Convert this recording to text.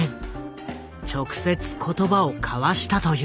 直接言葉を交わしたという。